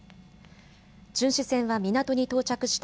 巡視船は港に到着した